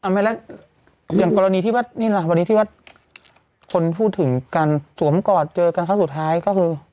เอาไม่แล้วอย่างกรณีที่ว่านี่แหละวันนี้ที่ว่าคนพูดถึงการสวมกอดเจอกันครั้งสุดท้ายก็คือ